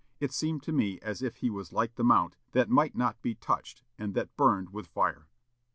It seemed to me as if he was like the mount that might not be touched, and that burned with fire."